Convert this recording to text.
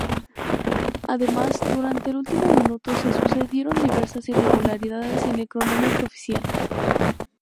Además, durante el último minuto se sucedieron diversas irregularidades en el cronómetro oficial.